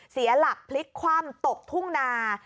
เสียหลักพลิกคว่ำตกทุ่งนา